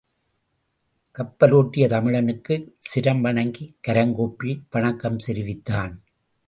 கப்பல் ஒட்டிய தமிழனுக்குச் சிரம் வணங்கிக் கரங்கூப்பி வணக்கம் தெரிவித்தான்.